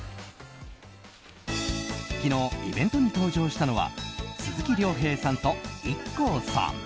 昨日、イベントに登場したのは鈴木亮平さんとＩＫＫＯさん。